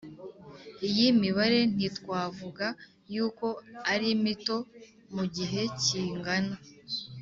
Iyi mibare ntitwavuga y uko ari mito mu gihe kingana